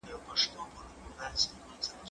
زه به سبا ليکنه وکړم؟!